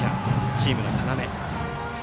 チームの要。